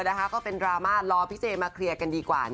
ก็เป็นดราม่ารอพี่เจมาเคลียร์กันดีกว่า